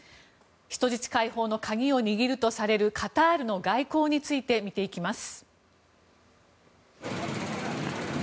人質解放の鍵を握るとされるカタールの外交について見ていきます。